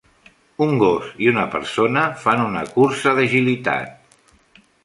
Un gos i una persona fan una cursa d'agilitat.